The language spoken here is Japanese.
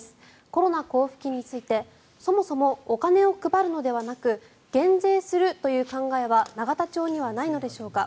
コロナ交付金についてそもそもお金を配るのではなく減税するという考えは永田町にはないのでしょうか？